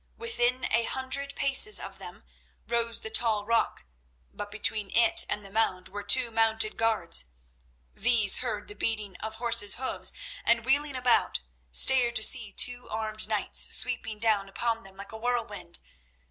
Within a hundred paces of them rose the tall rock, but between it and the mound were two mounted guards. These heard the beating of horses' hoofs, and wheeling about, stared to see two armed knights sweeping down upon them like a whirlwind.